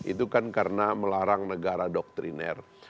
itu kan karena melarang negara doktriner